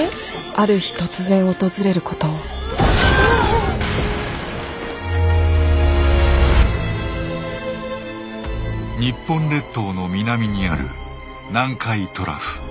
ある日突然訪れることを日本列島の南にある南海トラフ。